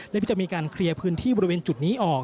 และที่จะมีการเคลียร์พื้นที่บริเวณจุดนี้ออก